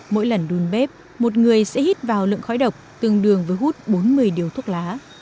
mỗi lần đun bếp một người sẽ hít vào lượng khói độc tương đương với hút bốn mươi điều thuốc lá